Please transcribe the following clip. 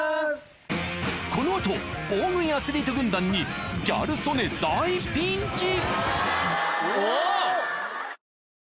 この後大食いアスリート軍団にギャル曽根大ピンチ！